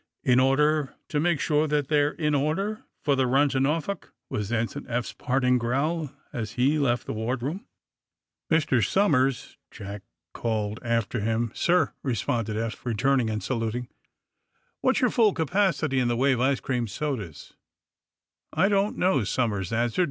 ^^In order to make sure that they're in or der for the run to Norfolk," was Ensign Eph's parting growl as he left the wardroom. 106 THE SUBMAKINE BOYS *'Mr. Somersl" Jack called after Mm. ''Sir!" responded Eph, returning and salut ing. ''Wliat's your full capacity in tlie way of ice cream sodas I" ''I don't know," Somers answered.